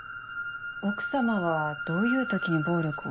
奥様はどういう時に暴力を？